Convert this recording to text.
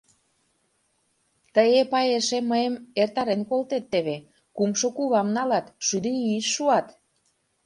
Тый, Эпай, эше мыйым эртарен колтет теве, кумшо кувам налат, шӱдӧ ийыш шуат...